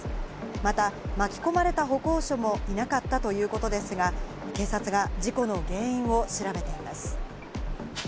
また巻き込まれた歩行者もいなかったということですが、警察が事故の原因を調べています。